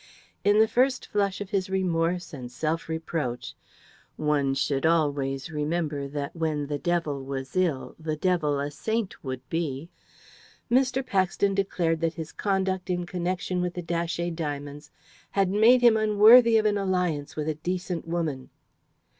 In the first flush of his remorse and self reproach one should always remember that "when the devil was ill, the devil a saint would be" Mr. Paxton declared that his conduct in connection with the Datchet diamonds had made him unworthy of an alliance with a decent woman.